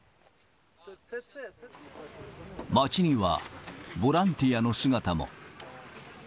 街にはボランティアの姿も。